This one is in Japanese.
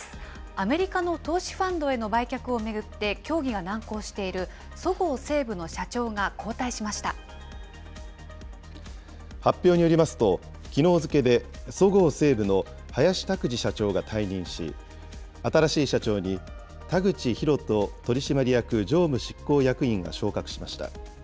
アメリカの投資ファンドへの売却を巡って協議が難航しているそご発表によりますと、きのう付けで、そごう・西武の林拓二社長が退任し、新しい社長に田口広人取締役常務執行役員が昇格しました。